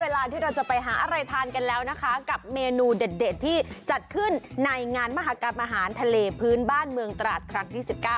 เวลาที่เราจะไปหาอะไรทานกันแล้วนะคะกับเมนูเด็ดที่จัดขึ้นในงานมหากรรมอาหารทะเลพื้นบ้านเมืองตราดครั้งที่๑๙